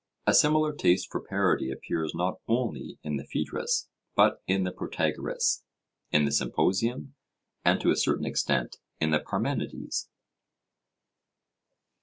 A similar taste for parody appears not only in the Phaedrus, but in the Protagoras, in the Symposium, and to a certain extent in the Parmenides.